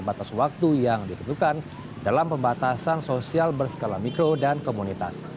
batas waktu yang ditentukan dalam pembatasan sosial berskala mikro dan komunitas